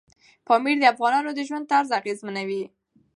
پامیر د افغانانو د ژوند طرز اغېزمنوي.